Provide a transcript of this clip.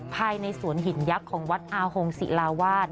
ภายในสวนหินยักษ์ของวัดอาหงศิลาวาส